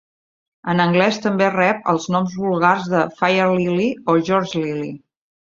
En anglès, també rep els noms vulgars de "fire lily" o "George lily".